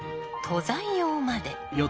登山用まで。